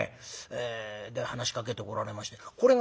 で話しかけてこられましてこれがね